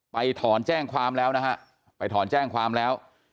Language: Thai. ไปถอนแจ้งความแล้ว